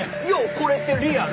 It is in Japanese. これってリアル？